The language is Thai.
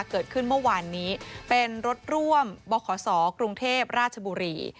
เกิดขึ้นเมื่อวานนี้เป็นรถร่วมบขศกรุงเทพราชบุรี